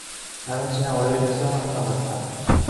나는 지난 월요일에 수영을 하러 갔다.